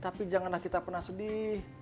tapi janganlah kita pernah sedih